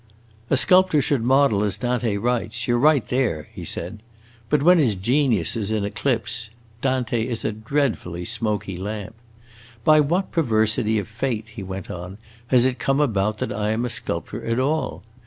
"A sculptor should model as Dante writes you 're right there," he said. "But when his genius is in eclipse, Dante is a dreadfully smoky lamp. By what perversity of fate," he went on, "has it come about that I am a sculptor at all?